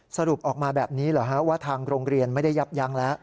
สรุปออกมาแบบนี้เหรอฮะว่าทางโรงเรียนไม่ได้ยับยั้งแล้ว